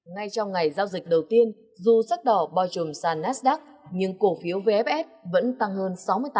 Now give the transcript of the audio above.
ngay trong ngày giao dịch đầu tiên dù sắc đỏ boi trùm sang nasdaq nhưng cổ phiếu vfs vẫn tăng hơn sáu mươi tám